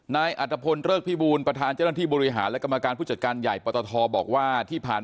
นายอัตภพลเริกพิบูลประธานเจ้าหน้าที่บริหารและกรรมการผู้จัดการใหญ่ปตทบอกว่าที่ผ่าน